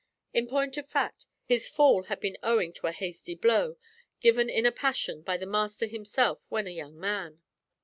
In point of fact, his fall had been owing to a hasty blow, given in a passion by the master himself when a young man.